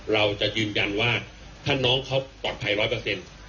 เราจะยืนยันว่าถ้าน้องเขาปลอดภัยร้อยเปอร์เซ็นต์